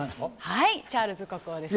はいチャールズ国王ですね。